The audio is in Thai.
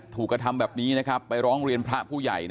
ถูกกระทำแบบนี้ไปร้องเรียนพระผู้ใหญ่